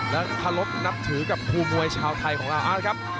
และพลับนับถือกับผู้มวยชาวไทยของอาร์นะครับ